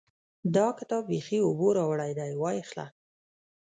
دا کتاب بېخي اوبو راوړی دی؛ وايې خله.